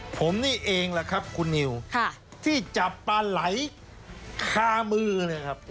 ผมเนี่ยเองล่ะครับคุณนิวที่จับปลายไข้มือนะครับ